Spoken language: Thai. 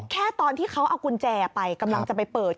ตอนที่เขาเอากุญแจไปกำลังจะไปเปิด